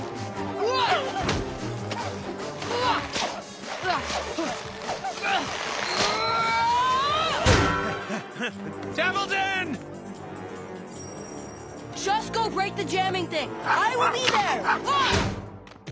うわあっ！